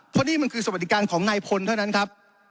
เพราะนี่มันคือสวัสดิการของนายพลเท่านั้นครับ